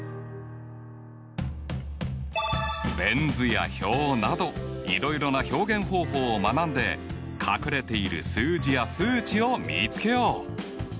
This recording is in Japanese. ベン図や表などいろいろな表現方法を学んで隠れている数字や数値を見つけよう。